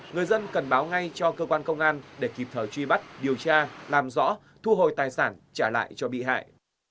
người dân cần báo ngay cho cơ quan công an để kịp thời truy bắt điều tra làm rõ thu hồi tài sản trả lại cho bị hại